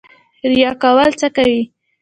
ریا کول څه کوي؟